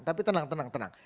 tapi tenang tenang tenang